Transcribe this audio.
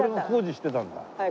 はい。